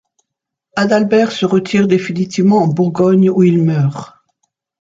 Adalbert se retire définitivement en Bourgogne où il meurt.